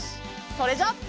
それじゃあ。